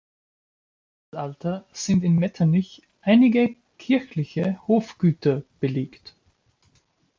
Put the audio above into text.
Für das Mittelalter sind in Metternich einige kirchliche Hofgüter belegt.